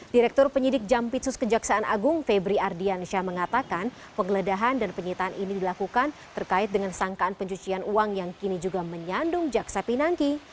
direktur penyidik jampitsus kejaksaan agung febri ardiansyah mengatakan penggeledahan dan penyitaan ini dilakukan terkait dengan sangkaan pencucian uang yang kini juga menyandung jaksa pinangki